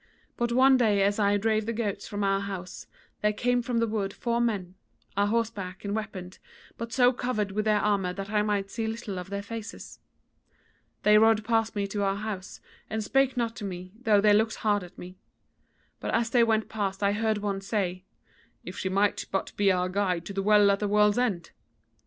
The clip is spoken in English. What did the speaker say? But one day as I drave the goats from our house there came from the wood four men, a horseback and weaponed, but so covered with their armour that I might see little of their faces. They rode past me to our house, and spake not to me, though they looked hard at me; but as they went past I heard one say: 'If she might but be our guide to the Well at the World's End!'